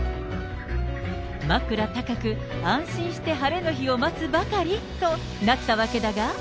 枕高く安心して晴れの日を待つばかりとなったわけだが。